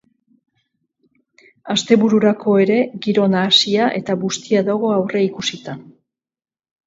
Astebururako ere, giro nahasia eta bustia dago aurreikusita.